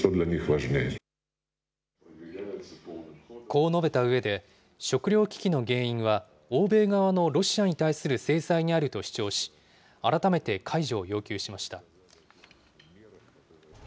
こう述べたうえで、食糧危機の原因は、欧米側のロシアに対する制裁にあると主張し、改めて解除を要求しました。